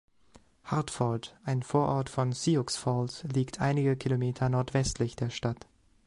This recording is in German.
Hartford, ein Vorort von Sioux Falls, liegt einige Kilometer nordwestlich der Stadt.